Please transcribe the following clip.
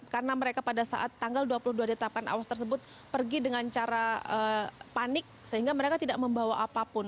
karena mereka pada saat tanggal dua puluh dua detapan awas tersebut pergi dengan cara panik sehingga mereka tidak membawa apapun